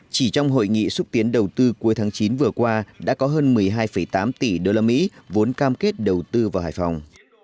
chỉ trong hội nghị xúc tiến đầu tư cuối tháng chín vừa qua đã có hơn một mươi hai tám tỷ usd vốn cam kết đầu tư vào hải phòng